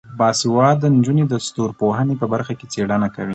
باسواده نجونې د ستورپوهنې په برخه کې څیړنه کوي.